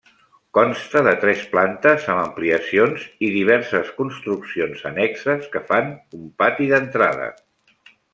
Consta de tres plantes amb ampliacions i diverses construccions annexes que fan un pati d'entrada.